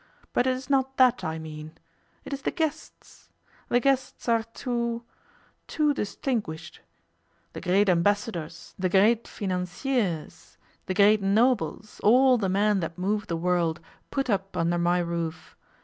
But it is not that I mean. It is the guests. The guests are too too distinguished. The great Ambassadors, the great financiers, the great nobles, all the men that move the world, put up under my roof.